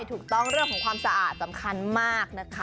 เรื่องของความสะอาดสำคัญมากนะคะ